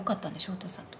お父さんと。